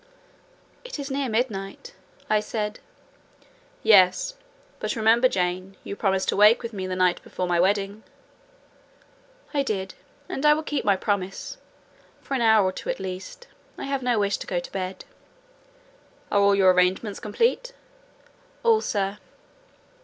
"It is near midnight," I said. "Yes: but remember, Jane, you promised to wake with me the night before my wedding." "I did; and I will keep my promise, for an hour or two at least: I have no wish to go to bed." "Are all your arrangements complete?" "All, sir."